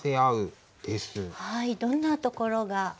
どんなところが？